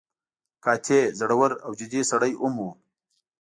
قاطع، زړور او جدي سړی هم و.